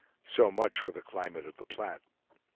So much for the climate of the Platte!